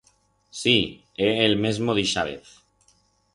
Sí, é el mesmo d'ixa vez.